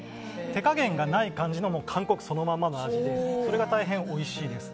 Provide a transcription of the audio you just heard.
手加減がない感じの韓国そのままの味でそれが大変おいしいです。